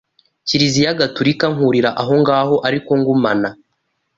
kiliziya gatulika nkurira aho ngaho ariko ngumana